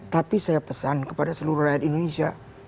tapi saya pesan kepada seluruh rakyat indonesia